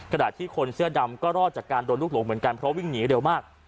ขณะที่คนเสื้อดำก็รอดจากการโดนลูกหลงเหมือนกันเพราะวิ่งหนีเร็วมาก